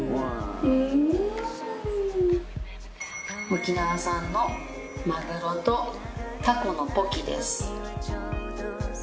沖縄産のマグロとタコのポキです。